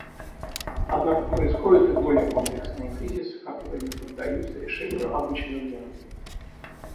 Однако происходят и более комплексные кризисы, которые не поддаются решению обычными методами.